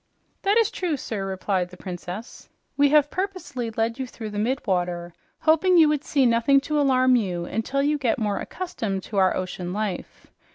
"That is true, sir," replied the Princess. "We have purposely led you through the mid water hoping you would see nothing to alarm you until you get more accustomed to our ocean life.